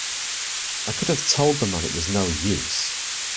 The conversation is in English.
I could have told the man it was no use.